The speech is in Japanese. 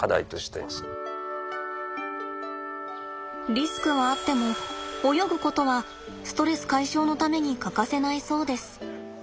リスクはあっても泳ぐことはストレス解消のために欠かせないそうです。